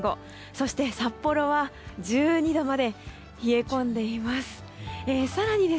そして、札幌は１２度まで冷え込んでいます。